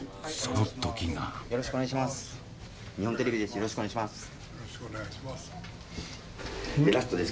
よろしくお願いします。